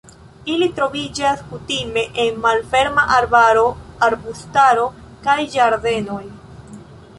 Ili troviĝas kutime en malferma arbaro, arbustaro kaj ĝardenoj.